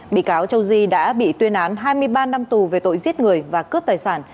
bị cáo châu di đã bị tuyên án hai mươi ba năm tù về tội giết người và cướp tài sản